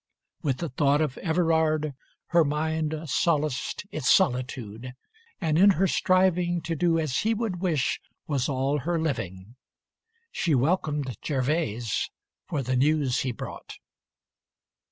With the thought Of Everard, her mind Solaced its solitude, and in her striving To do as he would wish was all her living. She welcomed Gervase for the news he brought.